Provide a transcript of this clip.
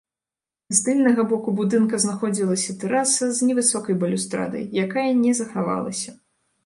З тыльнага боку будынка знаходзілася тэраса с невысокай балюстрадай, якая не захавалася.